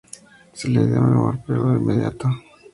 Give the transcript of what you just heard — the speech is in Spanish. Sí, la idea me golpeó de inmediato.